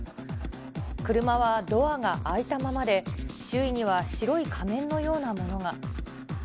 車はドアが開いたままで、周囲には白い仮面のようなものが。